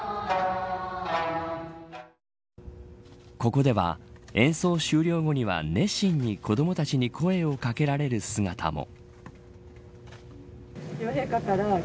ここでは演奏終了後には熱心に子どもたちに声をかけられる姿も。